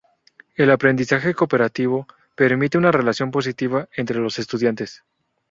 El aprendizaje cooperativo, permite una relación positiva entre los estudiantes.